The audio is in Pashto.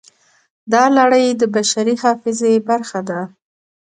دا لړۍ د بشري حافظې برخه ده.